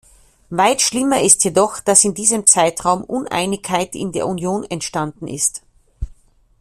Weit schlimmer ist jedoch, dass in diesem Zeitraum Uneinigkeit in der Union entstanden ist.